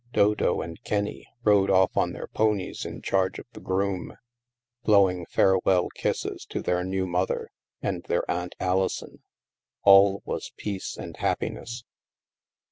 Dodo and Ken nie rode off on their ponies in charge of the groom, blowing farewell kisses to their new mother and their Aunt Alison. All was peace and happi ness.